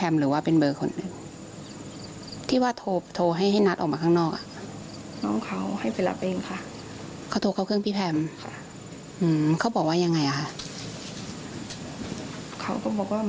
ไม่ได้ไปทั้งนอกพอดีค่ะแล้วก็ไม่ไป